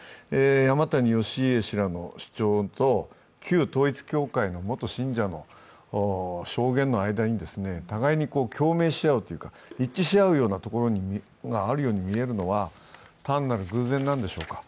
山谷・義家氏らの主張と旧統一教会の元信者らの間に証言の間に、互いに共鳴し合うというか、一致し合うようなところがあるように見えるのは、単なる偶然なんでしょうか。